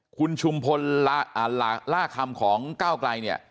คุณชุมพลล่าคำของก้าวไกลเนี่ย